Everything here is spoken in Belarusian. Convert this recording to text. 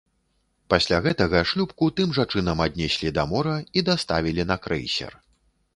Пасля гэтага шлюпку тым жа чынам аднеслі да мора і даставілі на крэйсер.